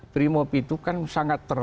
primob itu kan sangat terlalu